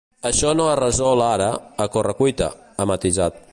“Això no es resol ara, a correcuita”, ha matisat.